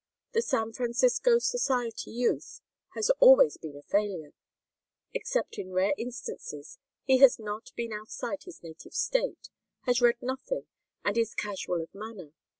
The San Francisco society youth has always been a failure. Except in rare instances he has not been outside his native State, has read nothing, and is casual of manner.